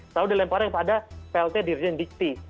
lalu dilemparin pada plt dirjen dikti